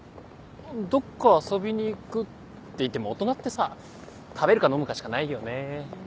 どっか遊びに行くって言っても大人ってさ食べるか飲むかしかないよね。